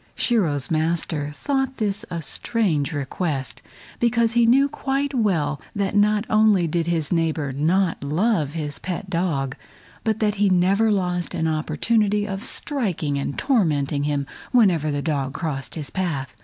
Shiro's master thought this a strange request, because he knew quite well that not only did his neighbor not love his pet dog, but that he never lost an opportunity of striking and tormenting him whenever the dog crossed his path.